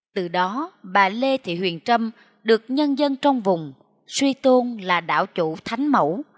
từ đó bà lê thị huyền trâm được nhân dân trong vùng suy tôn là đảo chủ thánh mẫu